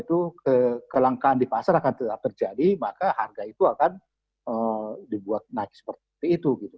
itu kekelakaan di pasar akan tetap terjadi maka harga itu akan dibuat seperti itu